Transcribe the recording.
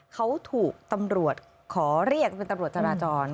เขาถูกตำรวจขอเรียกเป็นตำรวจจราจร